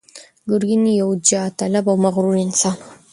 ګرګين يو جاه طلبه او مغرور انسان و.